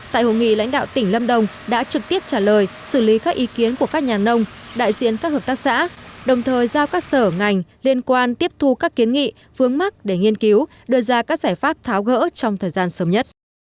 tại hội nghị lãnh đạo tỉnh lâm đồng đã trực tiếp trả lời xử lý các ý kiến của các nhà nông đại diện các hợp tác xã đồng thời giao các sở ngành liên quan tiếp thu các kiến nghị phương mắc để nghiên cứu đưa ra các giải pháp tháo gỡ trong thời gian sớm nhất